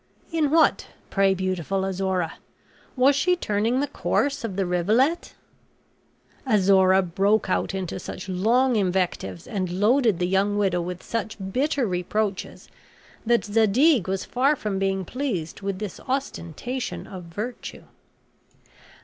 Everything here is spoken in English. "In what, pray, beautiful Azora? Was she turning the course of the rivulet?" Azora broke out into such long invectives and loaded the young widow with such bitter reproaches, that Zadig was far from being pleased with this ostentation of virtue.